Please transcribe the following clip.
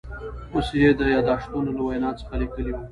اوس یې د یاداشتونو له وینا څخه لیکلي و.